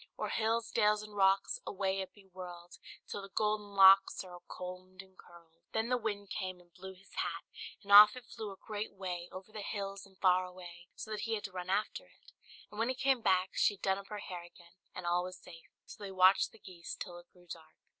O'er hills, dales, and rocks, Away be it whirl'd, Till the golden locks Are all comb'd and curl'd!" Then the wind came and blew his hat, and off it flew a great way, over the hills and far away, so that he had to run after it; and when he came back, she had done up her hair again, and all was safe. So they watched the geese till it grew dark.